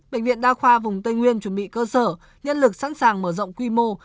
bệnh viện đa khoa vùng tây nguyên chuẩn bị cơ sở nhân lực sẵn sàng mở rộng quy mô